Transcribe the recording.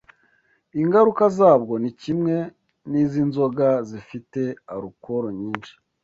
ingaruka zabwo ni kimwe n’iz’inzoga zifite alukoro nyinshi